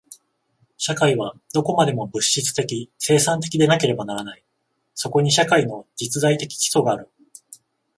社会はどこまでも物質的生産的でなければならない。そこに社会の実在的基礎がある。